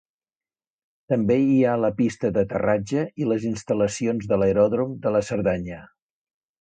També hi ha la pista d’aterratge i les instal·lacions de l'aeròdrom de la Cerdanya.